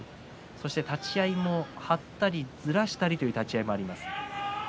立ち合い張ったりずらしたりという立ち合いもあります。